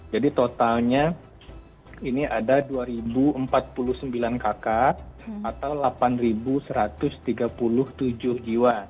jadi totalnya ini ada dua empat puluh sembilan kakak atau delapan satu ratus tiga puluh tujuh jiwa